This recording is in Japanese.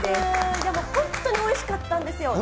でも本当においしかったんですよ。